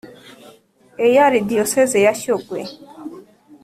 E A R Diyoseze ya Shyogwe